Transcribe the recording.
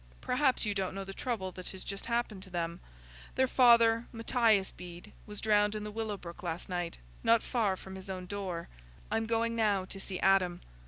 "Perhaps you don't know the trouble that has just happened to them? Their father, Matthias Bede, was drowned in the Willow Brook last night, not far from his own door. I'm going now to see Adam."